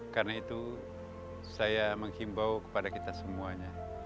karena itu saya menghimbau kepada kita semuanya